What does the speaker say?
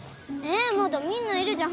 えまだみんないるじゃん。